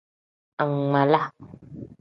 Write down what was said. Angmaala.